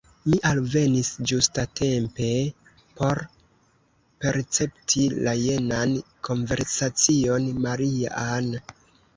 Mi alvenis ĝustatempe por percepti la jenan konversacion: «Maria-Ann! »